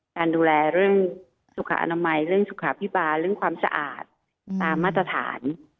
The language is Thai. การดูแลเรื่องสุขอนามัยเรื่องสุขาพิบาลเรื่องความสะอาดตามมาตรฐาน